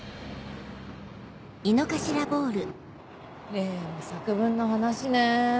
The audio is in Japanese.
例の作文の話ねぇ。